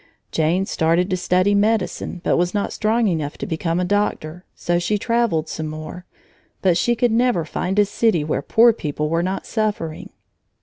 Jane started to study medicine but was not strong enough to become a doctor. So she traveled some more, but she could never find a city where poor people were not suffering.